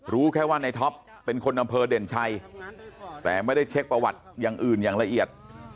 รู้แค่ว่าในท็อปเป็นคนอำเภอเด่นชัยแต่ไม่ได้เช็คประวัติอย่างอื่นอย่างละเอียด